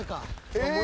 え！？